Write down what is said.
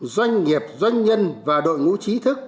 doanh nghiệp doanh nhân và đội ngũ trí thức